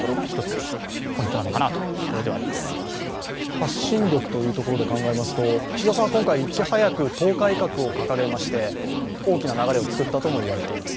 発信力というところで考えますと、岸田さん、今回いち早く党改革を掲げまして大きな流れを作ったとも言われています。